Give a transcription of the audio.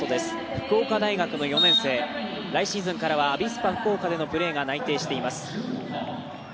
福岡大学の４年生、来シーズンからアビスパでのプレーが内定しています。